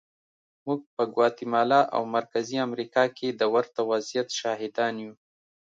موږ په ګواتیمالا او مرکزي امریکا کې د ورته وضعیت شاهدان یو.